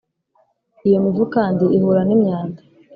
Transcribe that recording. iyo mivu kandi ihura n’imyanda